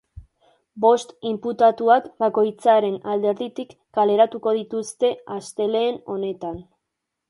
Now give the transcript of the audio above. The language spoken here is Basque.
Bost inputatuak bakoitzaren alderditik kaleratuko dituzte astelehen honetan.